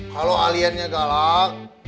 kalau aliennya galak